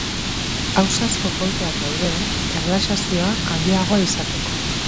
Ausazko kolpeak daude, erlaxazioa handiagoa izateko.